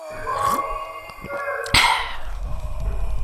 Commission এসব বিষয়ে zero tolerance দেখাতে কেন পারেনি, তার ব্যাখ্যা পাওয়া যায়নি।